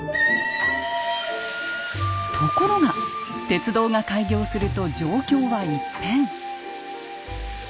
ところが鉄道が開業すると状況は一変。